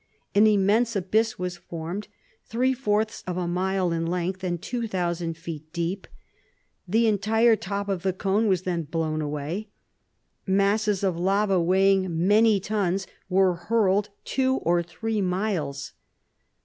An immense abyss was formed, three fourths of a mile in length and two thousand feet deep. The entire top of the cone was then blown away. Masses of lava weighing many tons were hurled two or three miles.